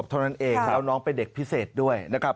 ให้มาช่วยค้นหาด้วยนะครับ